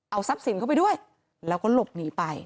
เอาทรัพย์สินเข้าไปด้วยแล้วก็หลบหนีไป